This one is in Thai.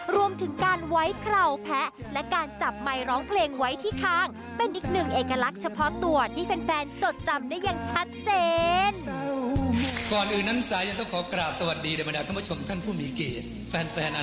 รวมถึงการไหว้เข่าแผะและการจับไมค์ร้องเพลงไว้ที่ค้าง